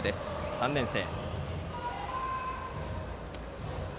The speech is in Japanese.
３年生。